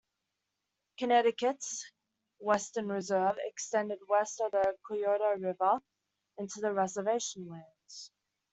Connecticut's Western Reserve extended west of the Cuyahoga River into the reservation lands.